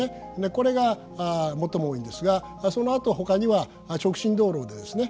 これが最も多いんですがそのあとほかには直進道路でですね